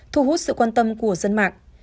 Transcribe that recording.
thu hút sự quan tâm của dân mạng